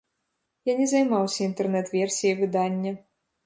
Я не займаўся інтэрнэт-версіяй выдання.